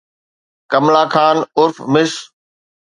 ڪملا خان عرف مس